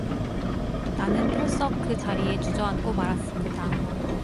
나는 털썩 그 자리에 주저앉고 말았습니다.